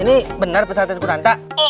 ini bener pesan dari ku nanta